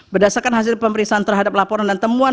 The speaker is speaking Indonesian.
berdasarkan hasil pemeriksaan terhadap laporan dan temuan